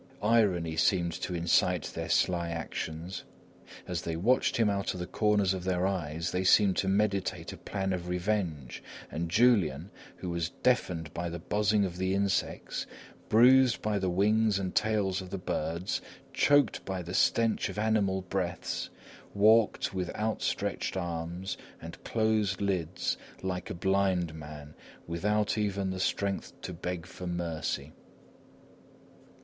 Irony seemed to incite their sly actions. As they watched him out of the corners of their eyes, they seemed to meditate a plan of revenge, and Julian, who was deafened by the buzzing of the insects, bruised by the wings and tails of the birds, choked by the stench of animal breaths, walked with outstretched arms and closed lids, like a blind man, without even the strength to beg for mercy.